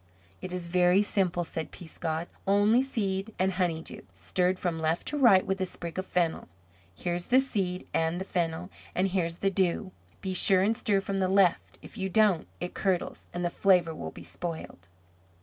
"It is very simple," said Peascod; "only seed and honey dew, stirred from left to right with a sprig of fennel. Here's the seed and the fennel, and here's the dew. Be sure and stir from the left; if you don't, it curdles, and the flavour will be spoiled."